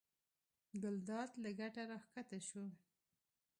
ګلداد له کټه راکښته شو.